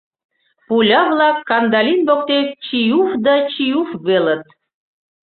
Пуля-влак Кандалин воктек чиуф-ф да чиуф-ф велыт.